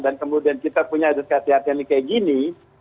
dan kemudian kita punya adat kesehatan yang kayak gini